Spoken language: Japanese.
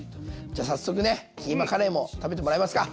じゃ早速ねキーマカレーも食べてもらいますか。